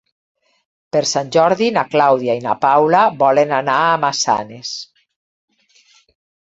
Per Sant Jordi na Clàudia i na Paula volen anar a Massanes.